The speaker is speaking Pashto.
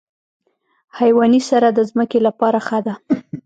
حیواني سره د ځمکې لپاره ښه ده.